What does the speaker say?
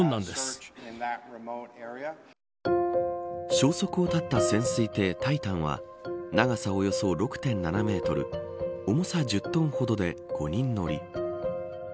消息を絶った潜水艇タイタンは長さおよそ６．７メートル重さ１０トンほどで、５人乗り。